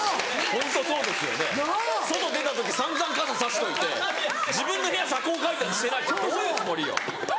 ホントそうですよね外出た時散々傘差しといて自分の部屋遮光カーテンしてないってどういうつもりよ。